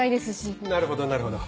なるほどなるほど。